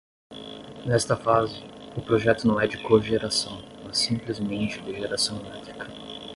Nesta fase, o projeto não é de cogeração, mas simplesmente de geração elétrica.